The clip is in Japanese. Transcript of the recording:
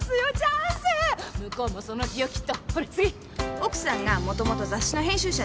奥さんがもともと雑誌の編集者でキャリア志向。